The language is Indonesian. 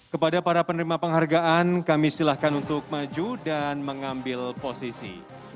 kepada para penerima penghargaan kami silakan untuk maju dan mengambil posisi